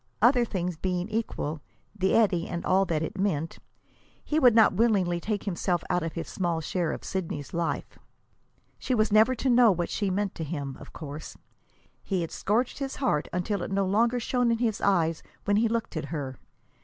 Other things being equal, the eddy and all that it meant , he would not willingly take himself out of his small share of Sidney's life. She was never to know what she meant to him, of course. He had scourged his heart until it no longer shone in his eyes when he looked at her.